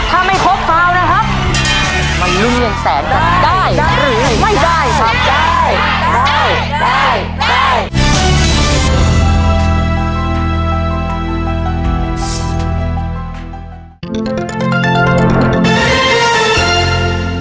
ถ้าไม่ครบคราวนะครับ